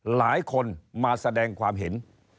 หลายคนมาแสดงความเห็น